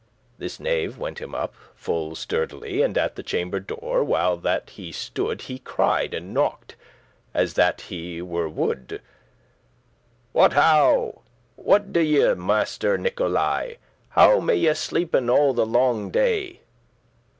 This knave went him up full sturdily, And, at the chamber door while that he stood, He cried and knocked as that he were wood:* *mad "What how? what do ye, Master Nicholay? How may ye sleepen all the longe day?"